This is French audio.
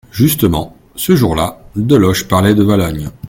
Justement, ce jour-là, Deloche parlait de Valognes.